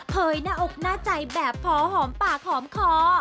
หน้าอกหน้าใจแบบพอหอมปากหอมคอ